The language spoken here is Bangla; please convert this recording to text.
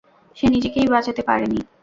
সে নিজেকেই বাঁচাতে পারেনি।